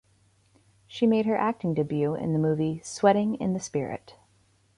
She made her acting debut in the movie "Sweating in the Spirit".